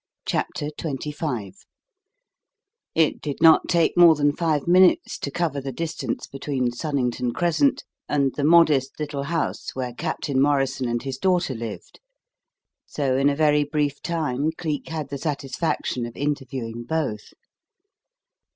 CHAPTER XXV It did not take more than five minutes to cover the distance between Sunnington Crescent and the modest little house where Captain Morrison and his daughter lived; so in a very brief time Cleek had the satisfaction of interviewing both.